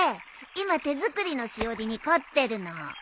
今手作りのしおりに凝ってるの。